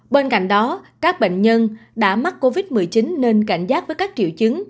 bên cạnh đó các bệnh nhân đã mắc covid một mươi chín nên cảnh giác với các triệu chứng